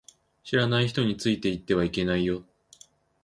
知らない人についていってはいけないよ